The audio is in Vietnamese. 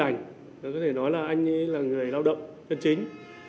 anh nam rất là lạnh có thể nói là anh ấy là người lao động nhân chính